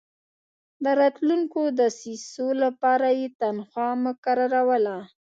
د راتلونکو دسیسو لپاره یې تنخوا مقرروله.